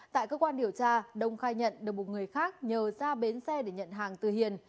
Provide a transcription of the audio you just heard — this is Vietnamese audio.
tại cơ quan điều tra đông khai nhận được một người khác nhờ ra bến xe để nhận hàng từ hiền